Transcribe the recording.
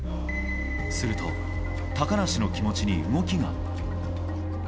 すると高梨の気持ちに動きが。